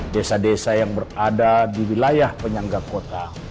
desa desa yang berada di wilayah penyangga kota